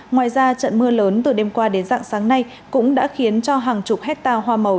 ngoài ra trận mưa lớn từ đêm qua đến dạng sáng nay cũng đã khiến cho hàng chục hectare hoa màu